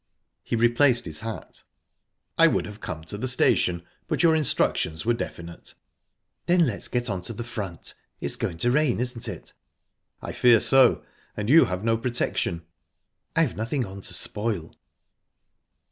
He replaced his hat. "I would have come to the station, but your instructions were definite." "Then let's get on to the front. It's going to rain, isn't it?" "I fear so and you have no protection." "I've nothing on to spoil."